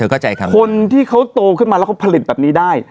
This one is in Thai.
คนที่เขาโตขึ้นมาแล้วเขาผลิตแบบนี้ได้